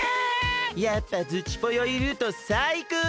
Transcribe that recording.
やっぱズチぽよいるとさいこう！